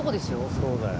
そうだよ。